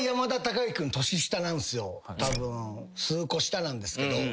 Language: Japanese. たぶん数個下なんですけど。